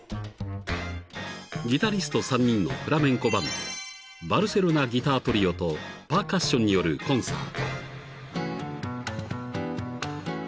［ギタリスト３人のフラメンコバンドバルセロナ・ギター・トリオとパーカッションによるコンサート］